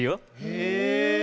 へえ。